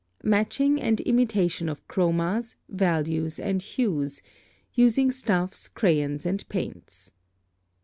Matching and imitation of chromas, values, and hues (using stuffs, crayons, and paints).